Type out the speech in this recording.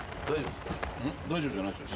大丈夫じゃないっすよ。